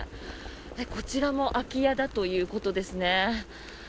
こちらも空き家だということですね。